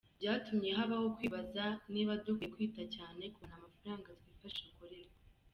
Byatumye habaho kwibaza niba dukwiye kwita cyane ku hantu amafaranga twifashisha akorerwa.